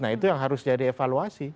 nah itu yang harus jadi evaluasi